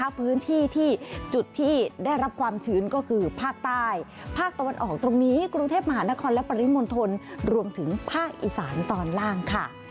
พื้นที่ที่จุดที่ได้รับความชื้นก็คือภาคใต้ภาคตะวันออกตรงนี้กรุงเทพมหานครและปริมณฑลรวมถึงภาคอีสานตอนล่างค่ะ